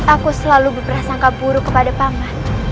aku selalu berperasangka buruk kepada paman